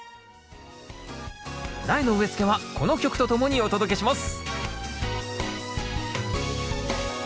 苗の植え付けはこの曲とともにお届けします